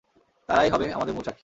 তারাই হবে আমাদের মূল সাক্ষী।